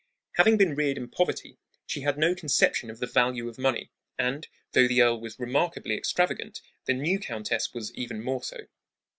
Having been reared in poverty, she had no conception of the value of money; and, though the earl was remarkably extravagant, the new countess was even more so.